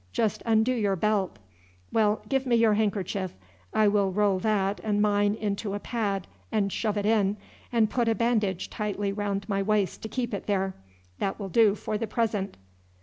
Just undo your belt." "Well, give me your handkerchief. I will roll that and mine into a pad and shove it in, and put a bandage tightly round my waist to keep it there. That will do for the present.